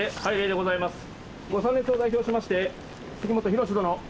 ご参列を代表しまして杉本博司殿。